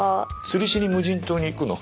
釣りしに無人島に行くの？